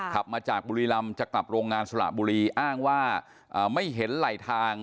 ขับมาจากบุรีรำจะกลับโรงงานสระบุรีอ้างว่าไม่เห็นไหลทาง